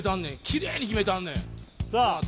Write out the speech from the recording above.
きれいに決めたんねんさあ